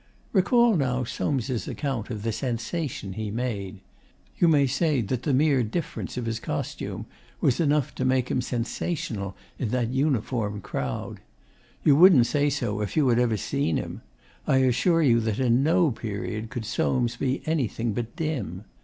Recall now Soames' account of the sensation he made. You may say that the mere difference of his costume was enough to make him sensational in that uniformed crowd. You wouldn't say so if you had ever seen him. I assure you that in no period could Soames be anything but dim.